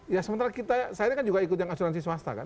ya sementara kita saya ini kan juga ikut yang asuransi swasta kan